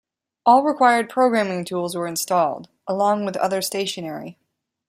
All required programming tools were installed, along with other stationery.